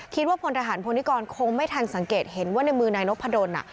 พลทหารพลนิกรคงไม่ทันสังเกตเห็นว่าในมือนายนพดล